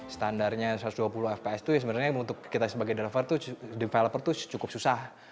standarnya satu ratus dua puluh fps itu sebenarnya untuk kita sebagai developer itu cukup susah